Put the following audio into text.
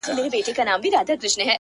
اې ه څنګه دي کتاب له مخه ليري کړم”